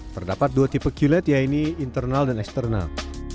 terdapat dua tipe qled yaitu internal dan eksternal